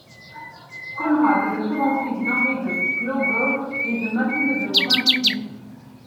Conrad est le second fils d’Henri de Głogów et de Mathilde de Brunswick.